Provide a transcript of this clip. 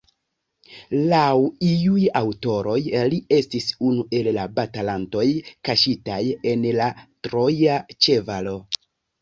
Laŭ iuj aŭtoroj, li estis unu el la batalantoj kaŝitaj en la troja ĉevalo.